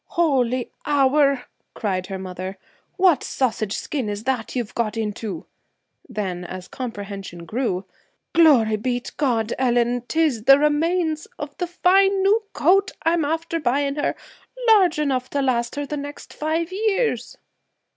'Holy hour!' cried her mother. 'What sausage skin is that you've got into?' Then, as comprehension grew: 'Glory b' t' God, Ellen! 'tis the remains of the fine new coat, I'm after buying her, large enough to last her the next five years!'